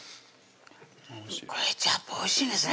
ケチャップおいしいですね